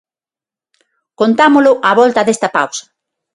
Contámolo á volta desta pausa.